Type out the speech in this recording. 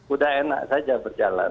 udah enak saja berjalan